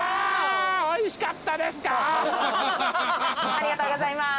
ありがとうございます。